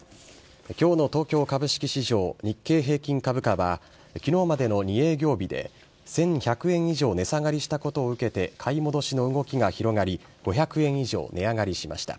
きょうの東京株式市場、日経平均株価は、きのうまでの２営業日で、１１００円以上値下がりしたことを受けて、買い戻しの動きが広がり、５００円以上値上がりしました。